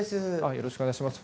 よろしくお願いします。